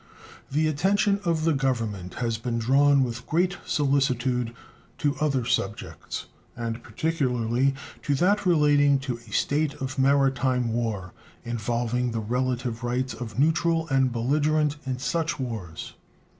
The attention of the Government has been drawn with great solicitude to other subjects, and particularly to that relating to a state of maritime war, involving the relative rights of neutral and belligerent in such wars.